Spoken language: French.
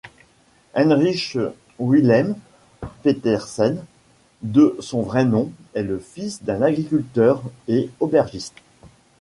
Heinrich Wilhelm Petersen, de son vrai nom, est le fils d'un agriculteur et aubergiste.